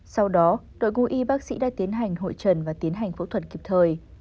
sau đó đội ngũ y bác sĩ đã tiến hành hội trần và tiến hành phẫu thuật kịp thời